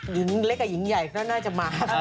หญิงเล็กกับหญิงใหญ่ก็น่าจะมา